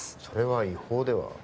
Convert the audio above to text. それは違法では？